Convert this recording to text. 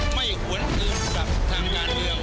ไม่หวนอื่นกับทางยานเดียว